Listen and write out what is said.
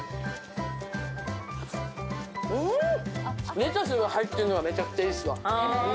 レタスが入ってるのが、めちゃくちゃいいっすわ。